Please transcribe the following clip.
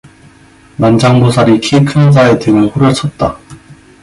난장보살이 키 큰 자의 등을 후려쳤다.